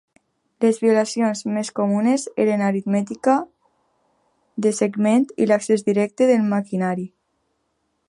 Les violacions més comunes eren aritmètica de segment i l'accés directe del maquinari.